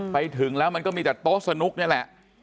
ไปถึงแล้วมันก็มีแต่โต๊ะสนุกนี่แหละ